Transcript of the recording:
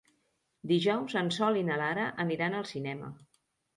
Dijous en Sol i na Lara aniran al cinema.